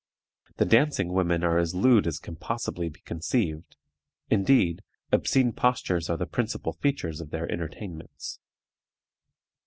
The dancing women are as lewd as can possibly be conceived; indeed, obscene postures are the principal features of their entertainments.